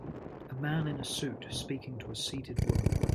A man in a suit speaking to a seated woman.